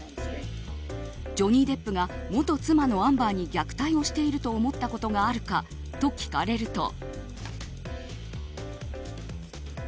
ジョニー・デップが元妻のアンバーに虐待していると思ったことがあるかと聞かれると。